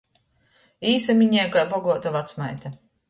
Īsaminēja kai boguota vacmeita.